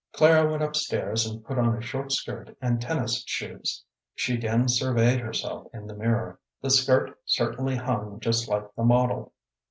Clara went up stairs and put on a short skirt and tennis shoes. She again surveyed herself in the mirror. The skirt certainly hung just like the model.